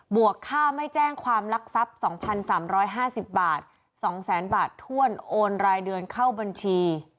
วกค่าไม่แจ้งความลักทรัพย์๒๓๕๐บาท๒แสนบาทถ้วนโอนรายเดือนเข้าบัญชี